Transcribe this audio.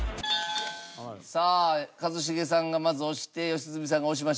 さあ一茂さんがまず押して良純さんが押しました。